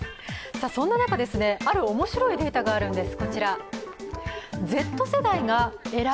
そんな中、あるおもしろいデータがあるんです。